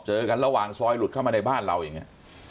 เจอกันระหว่างซอยหลุดเข้ามาในบ้านเราอย่างนี้